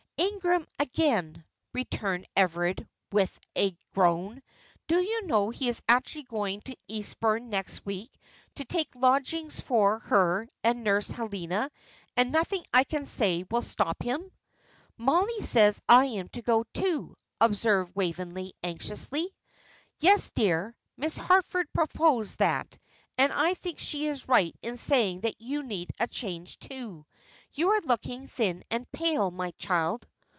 "Ingram again," returned Everard, with a groan. "Do you know, he is actually going to Eastbourne next week to take lodgings for her and Nurse Helena, and nothing I can say will stop him." "Mollie says I am to go, too," observed Waveney, anxiously. "Yes, dear, Miss Harford proposed that, and I think she is right in saying that you need a change, too; you are looking thin and pale, my child."